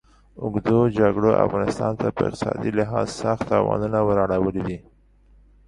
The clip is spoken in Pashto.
اوږدو جګړو افغانستان ته په اقتصادي لحاظ سخت تاوانونه ور اړولي دي.